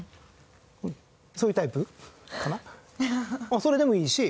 それでもいいし。